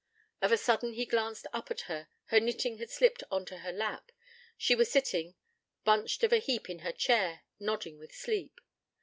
Of a sudden he glanced up at her: her knitting had slipped on to her lap: she was sitting, bunched of a heap in her chair, nodding with sleep.